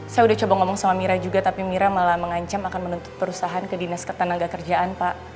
saya udah coba ngomong sama mira juga tapi mira malah mengancam akan menuntut perusahaan ke dinas ketenaga kerjaan pak